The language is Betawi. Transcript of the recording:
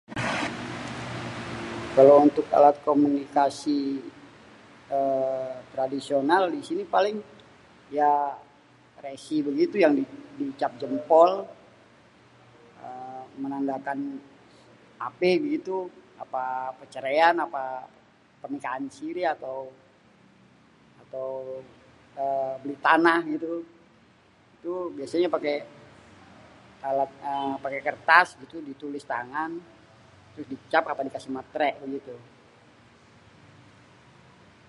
Kalau untuk alat komunikasi ééé... tradisional disini paling ya resi begitu ya di cap jempol, menandakan apé begitu, apa percéréan, apa pernikahan siri, ééé. atau beli tanah bégitu, itu biasanya paké kertas ditulis tangan terus dicap sama dikasi matré gitu.